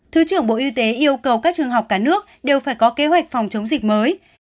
thứ trưởng bộ y tế yêu cầu các trường học cả nước đều phải có kế hoạch phòng chống dịch mới